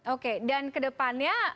oke dan kedepannya